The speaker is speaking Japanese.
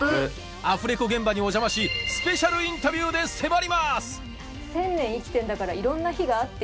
アフレコ現場にお邪魔しスペシャルインタビューで迫ります！って思うというか。